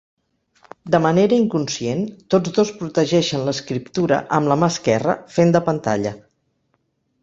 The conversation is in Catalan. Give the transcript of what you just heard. De manera inconscient, tots dos protegeixen l'escriptura amb la mà esquerra, fent de pantalla.